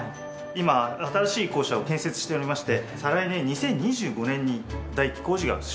今新しい校舎を建設しておりまして再来年２０２５年に第一期工事が終了する予定です。